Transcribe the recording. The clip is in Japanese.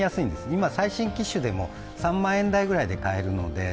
今、最新機種でも３万円台ぐらいで買えるので。